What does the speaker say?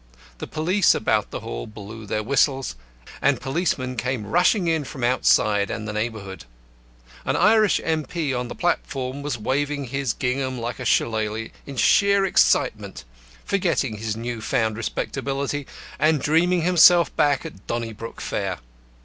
The police about the hall blew their whistles, and policemen came rushing in from outside and the neighbourhood. An Irish M.P. on the platform was waving his gingham like a shillelagh in sheer excitement, forgetting his new found respectability and dreaming himself back at Donnybrook Fair.